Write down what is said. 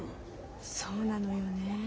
そうなのよね